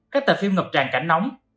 các tài phim ngập tràn cảnh sát